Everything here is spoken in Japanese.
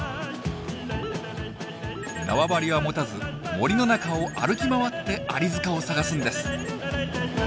縄張りは持たず森の中を歩き回ってアリ塚を探すんです。